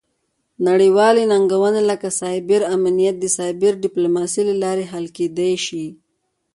نړیوالې ننګونې لکه سایبر امنیت د سایبر ډیپلوماسي له لارې حل کیدی شي